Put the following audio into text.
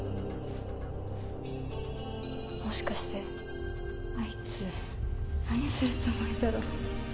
もしかしてあいつ何するつもりだろう